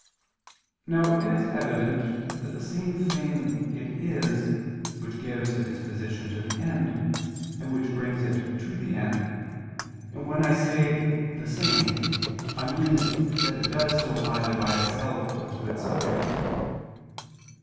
Now it is evident that the same thing it is, which gives a disposition to the end, and which brings to the end; and when I say "the same," I mean that it does so either by itself or through its subjects.